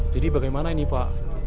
jadi bagaimana ini pak